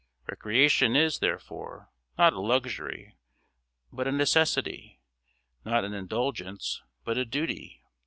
Recreation is, therefore, not a luxury, but a necessity; not an indulgence, but a duty.